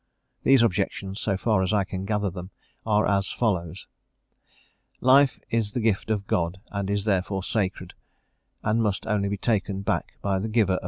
These objections, so far as I can gather them, are as follows: Life is the gift of God, and is therefore sacred, and must only be taken back by the giver of life.